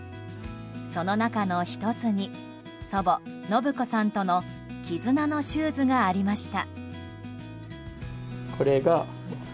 その中の１つに祖母・信子さんとの絆のシューズがありました。